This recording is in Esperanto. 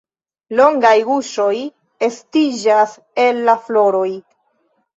Longaj guŝoj estiĝas el la floroj.